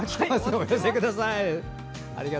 お寄せください。